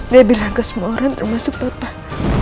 dia bilang ke semua orang termasuk papa